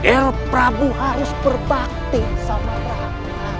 der prabu harus berbakti sama rakyat